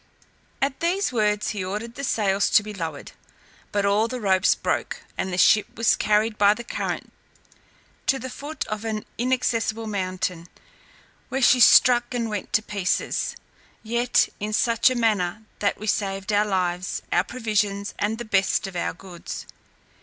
At these words he ordered the sails to be lowered; but all the ropes broke, and the ship was carried by the current to the foot of an inaccessible mountain, where she struck and went to pieces, yet in such a manner that we saved our lives, our provisions, and the best of our goods.